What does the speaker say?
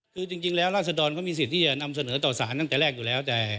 คือจริงแล้วราศดรเขามีสิทธิ์ที่จะนำเสนอต่อสารตั้งแต่แรกอยู่แล้ว